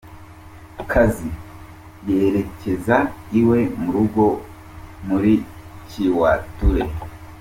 kazi yerekeza iwe mu rugo muri Kiwatule.